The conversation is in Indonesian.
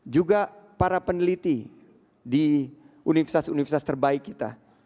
juga para peneliti di universitas universitas terbaik kita